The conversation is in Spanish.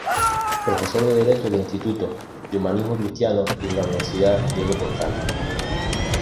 Profesor de derecho del Instituto de Humanismo Cristiano y de la Universidad Diego Portales.